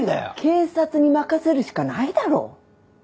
警察に任せるしかないだろ。